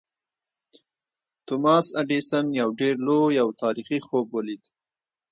توماس ایډېسن یو ډېر لوی او تاریخي خوب ولید